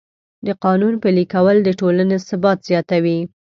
د قانون پلي کول د ټولنې ثبات زیاتوي.